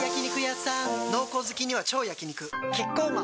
濃厚好きには超焼肉キッコーマン